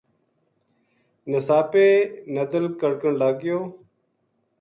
نساپے ندل کڑکن لگ گیو